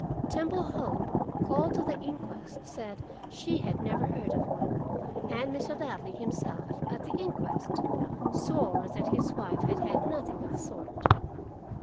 Temple Hope, called to the inquest, said she had never heard of one, and Mr. Ladley himself, at the inquest, swore that his wife had had nothing of the sort.